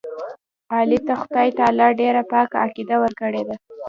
علي ته خدای تعالی ډېره پاکه عقیده ورکړې ده.